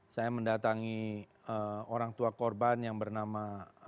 saya mendatangi orang tua korban yang bernama